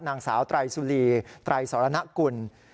นางสาวไตรสุรีไตรสรณกุล